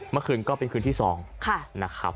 เมื่อคืนก็เป็นคืนที่สองค่ะ